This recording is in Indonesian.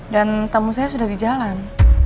tamu saya sudah di jalan